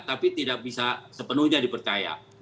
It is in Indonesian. tapi tidak bisa sepenuhnya dipercaya